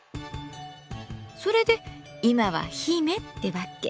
それで今は姫って訳。